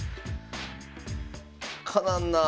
かなわんなあ！